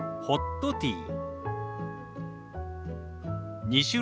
「ホットティー」。